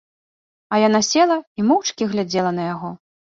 А яна села і моўчкі глядзела на яго.